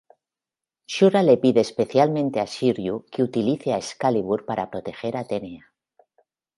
Shura le pide especialmente a Shiryu que utilice a Excalibur para proteger a Atenea.